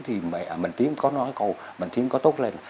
thì mạnh tiến có nói câu mạnh tiến có tốt lên